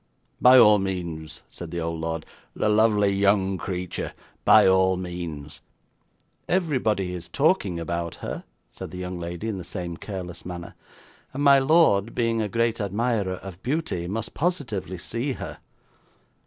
'By all means,' said the old lord; 'the lovely young creature, by all means.' 'Everybody is talking about her,' said the young lady, in the same careless manner; 'and my lord, being a great admirer of beauty, must positively see her.